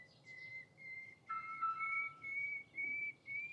د سړک غاړې څراغونو په رڼا کې یو موټر ښکاري چې را روان دی.